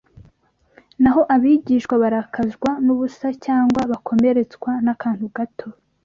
Naho abigishwa barakazwa n’ubusa cyangwa bakomeretswa n’akantu gato